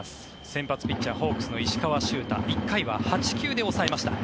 先発ピッチャーホークスの石川柊太１回は８球で抑えました。